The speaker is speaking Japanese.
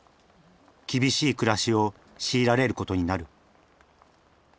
厳しい暮らしを強いられることになる。